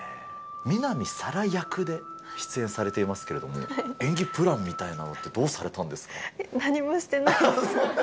南沙良役で出演されていますけれども、演技プランみたいなのって何もしてないです。